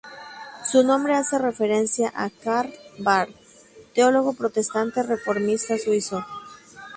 Su nombre hace referencia a Karl Barth, teólogo protestante reformista suizo.